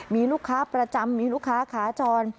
มีลูกค้าประจำมีลูกค้าขาจร